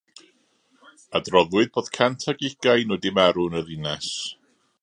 Adroddwyd bod cant ac ugain wedi marw yn y ddinas.